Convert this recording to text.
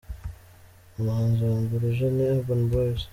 Umuhanzi wa mbere uje ni Urban Boys.